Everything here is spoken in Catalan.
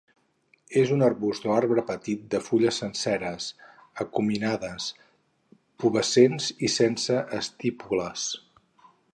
És un arbust o arbre petit de fulles senceres, acuminades, pubescents i sense estípules.